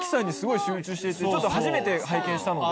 ちょっと初めて拝見したので。